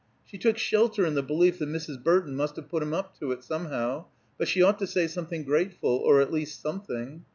She took shelter in the belief that Mrs. Burton must have put him up to it, somehow, but she ought to say something grateful, or at least something.